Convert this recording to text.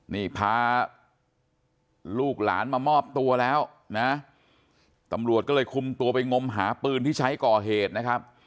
นี่พาลูกหลานมามอบตัวแล้วนะตำรวจก็เลยคุมตัวไปงมหาปืนที่ใช้ก่อเหตุนะครับ